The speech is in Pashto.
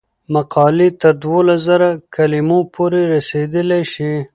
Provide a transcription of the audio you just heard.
مقالې تر دولس زره کلمو پورې رسیدلی شي.